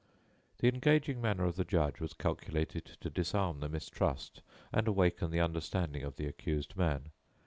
The engaging manner of the judge was calculated to disarm the mistrust and awaken the understanding of the accused man.